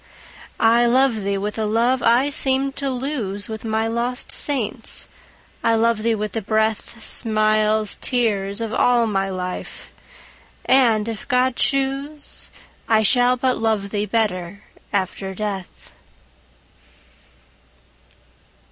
I love thee with a love I seemed to lose With my lost saints,—I love thee with the breath, Smiles, tears, of all my life!—and, if God choose, I shall but love thee better after death.